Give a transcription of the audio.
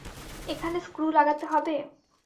এখানে স্ক্রু লাগাতে হবে?